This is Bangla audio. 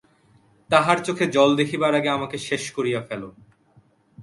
তাহার চোখে জল দেখিবার আগে আমাকে শেষ করিয়া ফেলো।